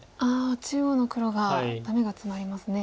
中央の黒がダメがツマりますね。